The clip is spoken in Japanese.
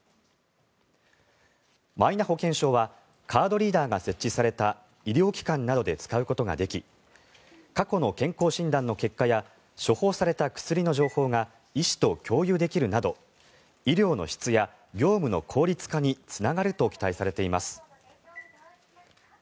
マイナ保険証はカードリーダーが設置された医療機関などで使うことができ過去の健康診断の結果や処方された薬の情報が医師と共有できるなど医療の質や業務の効率化につながると期待されています。